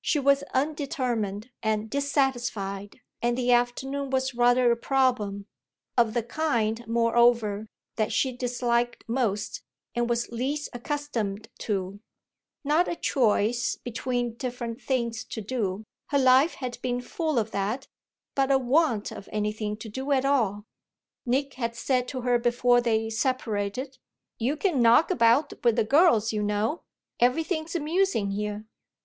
She was undetermined and dissatisfied and the afternoon was rather a problem; of the kind, moreover, that she disliked most and was least accustomed to: not a choice between different things to do her life had been full of that but a want of anything to do at all. Nick had said to her before they separated: "You can knock about with the girls, you know; everything's amusing here."